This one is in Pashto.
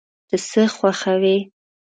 ته څه خوښوې؟